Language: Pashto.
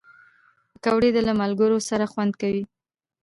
پکورې له ملګرو سره خوند کوي